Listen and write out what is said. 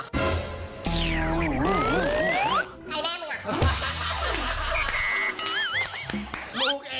ใครแม่มึงอ่ะ